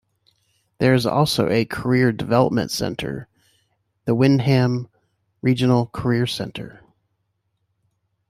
There is also a career development center, the Windham Regional Career Center.